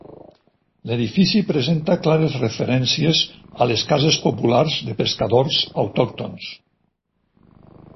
L'edifici presenta clares referències a les cases populars de pescadors autòctones.